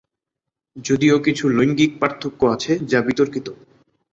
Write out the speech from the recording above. যদিও কিছু লৈঙ্গিক পার্থক্য আছে যা বিতর্কিত।